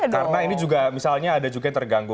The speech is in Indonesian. karena ini juga misalnya ada juga yang terganggu